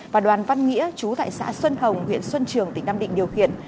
và đoàn văn nghĩa chú tại xã xuân hồng huyện xuân trường tỉnh nam định điều khiển